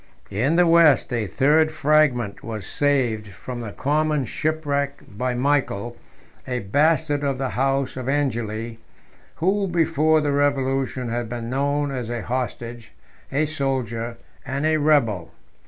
In the West, a third fragment was saved from the common shipwreck by Michael, a bastard of the house of Angeli, who, before the revolution, had been known as a hostage, a soldier, and a rebel.